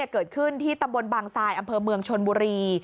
เกิดขึ้นที่ตำบลบางทรายอำเภอเมืองชนบุรี